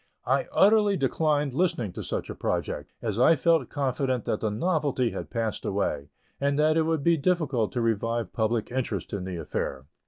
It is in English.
I utterly declined listening to such a project, as I felt confident that the novelty had passed away, and that it would be difficult to revive public interest in the affair.